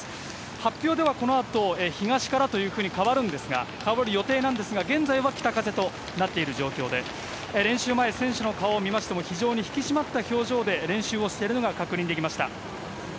発表ではこのあと、東からというふうに変わるんですが、変わる予定なんですが、現在は北風となっている状況で、練習前、選手の顔を見ましても、非常に引き締まった表情で練習をしているのが確認できました。